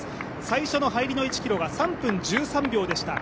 最初の入りの１ｋｍが３分１３秒でした。